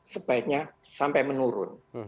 sebaiknya sampai menurun